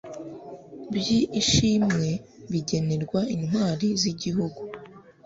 by ishimwe bigenerwa intwari z igihugu